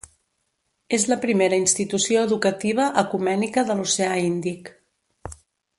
És la primera institució educativa ecumènica de l'Oceà Índic.